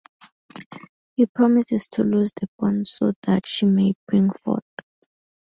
He promises to loose the bond so that she may bring forth.